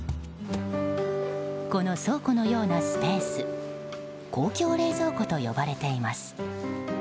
この倉庫のようなスペース公共冷蔵庫と呼ばれています。